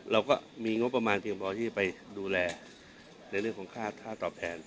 เราก็มีงบประมาณเพียงพอที่จะไปดูแลในเรื่องของค่าตอบแทน